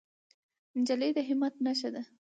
نجلۍ د همت نښه ده.